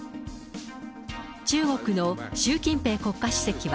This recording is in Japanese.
中国の習近平国家主席は、